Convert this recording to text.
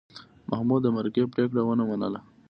محمود د مرکې پرېکړه ونه منله.